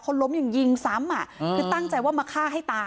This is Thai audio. คนลมอย่างยิงซ้ำคือตั้งใจมาฆ่าให้ตาย